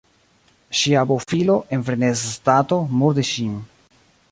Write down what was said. Ŝia bofilo (en freneza stato) murdis ŝin.